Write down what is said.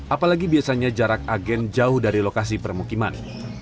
apalagi biasanya jarak agen jauh dari lokasi permukiman